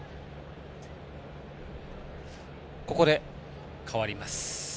ここで、代わります。